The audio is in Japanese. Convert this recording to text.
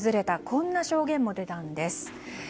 こんな証言も出たんです。